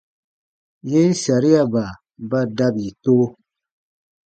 Yen sariaba ba dabi to.